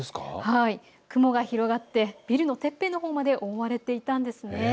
雲が広がって、ビルのてっぺんまで覆われていたんですよね。